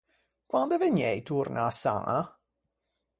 Quande vegniei torna à Saña?